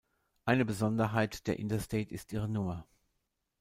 Eine Besonderheit der Interstate ist ihre Nummer.